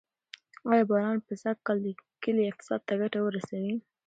آیا باران به سږکال د کلي اقتصاد ته ګټه ورسوي؟